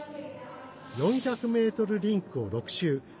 ４００ｍリンクを６周。